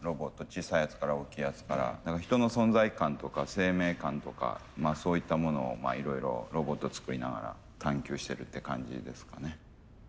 小さいやつから大きいやつから人の存在感とか生命感とかそういったものをいろいろロボットを作りながら探究してるって感じですかね。